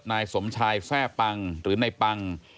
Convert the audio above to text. นายสมชายแทร่ปังหรือนายปัง